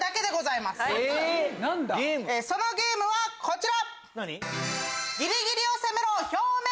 そのゲームはこちら！